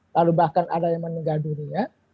lalu bahkan ada yang meninggal dunia